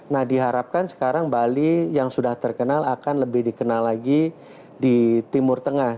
nah diharapkan sekarang bali yang sudah terkenal akan lebih dikenal lagi di timur tengah